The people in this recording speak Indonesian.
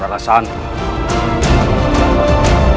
narai murah nasan